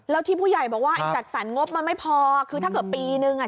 แล้วที่ผู้ใหญ่บอกว่าไอ้จัดสรรงบมันไม่พอคือถ้าเกิดปีนึงอ่ะ